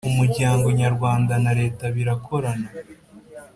umuryango nyarwanda na Leta birakorana